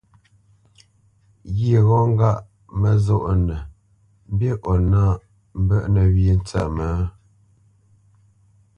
Ghyê ghɔ́ ŋgáʼ məzónə́nə mbî o nâʼ mbə́ʼnə̄ wyê ntsə́mə́?